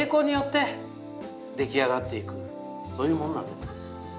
そういうもんなんです。